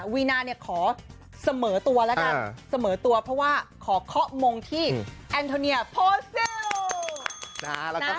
วีนาเนี่ยขอเสมอตัวแล้วกันเสมอตัวเพราะว่าขอเคาะมงที่แอนโทเนียโพเซล